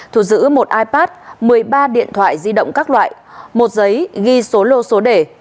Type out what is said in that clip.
thu giữ một ipad một mươi ba điện thoại di động các loại một giấy ghi số lô số đề